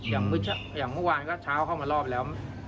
อย่างเมื่อวานก็เช้าเข้ามารอบแล้ว